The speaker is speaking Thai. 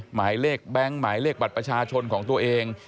หมายเลขแบงค์หมายเลขบัตรประชาชนของตัวเอง